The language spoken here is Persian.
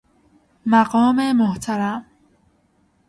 مقام محترم